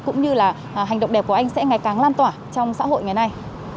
cũng như là hành động đẹp của anh sẽ ngày càng lan tỏa trong xã hội ngày nay